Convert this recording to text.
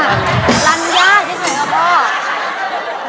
รัญญาใช่ไหมครับพ่อ